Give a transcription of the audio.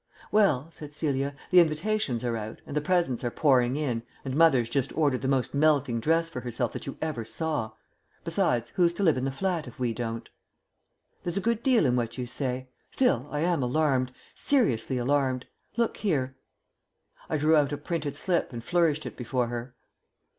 "Well," said Celia, "the invitations are out, and the presents are pouring in, and mother's just ordered the most melting dress for herself that you ever saw. Besides, who's to live in the flat if we don't?" "There's a good deal in what you say. Still, I am alarmed, seriously alarmed. Look here." I drew out a printed slip and flourished it before her.